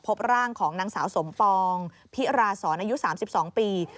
พบร่างของนางสาวสมปองพิราศรอายุ๓๒ปี